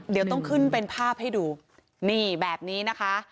เดี๋ยวต้องขึ้นเป็นภาพให้ดูนี่แบบนี้นะคะ